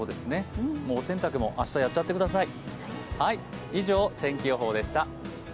もうお洗濯も明日やっちゃってください。